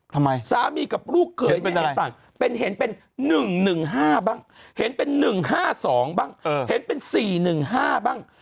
สามีกับลูกเขยเนี่ยต่างเป็นเห็นเป็น๑๑๕บ้างเห็นเป็น๑๕๒บ้างเห็นเป็น๔๑๕บ้าง